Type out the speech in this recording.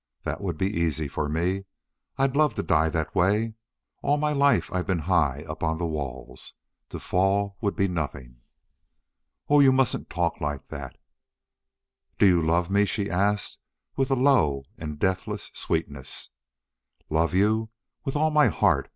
That would be easy for me. I'd love to die that way. All my life I've been high up on the walls. To fall would be nothing!" "Oh, you mustn't talk like that!" "Do you love me?" she asked, with a low and deathless sweetness. "Love you? With all my heart!